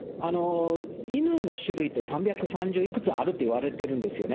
犬の種類って３３０いくつあるっていわれてるんですよね。